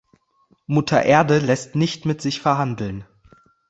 Mutter Erde lässt nicht mit sich verhandeln.